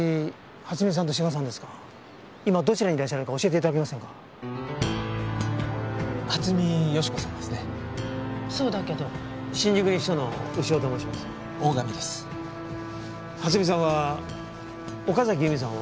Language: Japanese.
初見さんは岡崎由美さんを。